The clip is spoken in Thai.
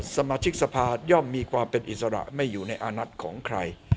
สมาชิกสภาย่อมมีความเป็นอิสระไม่อยู่ในอานัทของใคร